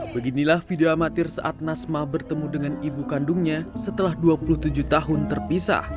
beginilah video amatir saat nasma bertemu dengan ibu kandungnya setelah dua puluh tujuh tahun terpisah